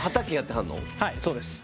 はいそうです！